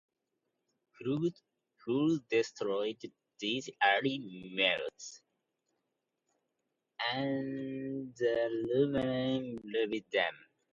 Floods destroyed these early mills, and the lumbermen rebuilt them.